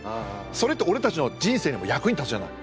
それって俺たちの人生にも役に立つじゃない。